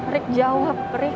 rik jawab rik